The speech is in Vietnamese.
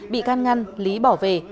bị can ngăn lý bỏ về